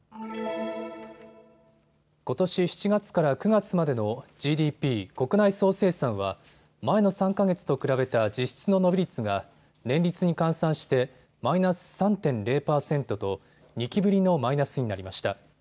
ことし７月から９月までのＧＤＰ・国内総生産は前の３か月と比べた実質の伸び率が年率に換算してマイナス３．０％と２期ぶりのマイナスになりました。